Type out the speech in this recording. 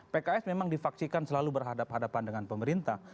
pks memang difaksikan selalu berhadapan hadapan dengan pemerintah